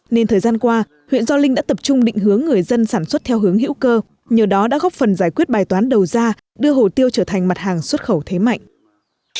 nên thời gian qua huyện gio linh đã tập trung định hướng người dân sản xuất theo hướng hữu cơ nhờ đó đã góp phần giải quyết bài toán đầu ra đưa hồ tiêu trở thành mặt hàng xuất khẩu thế mạnh